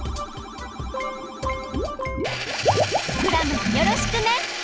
クラムよろしくね！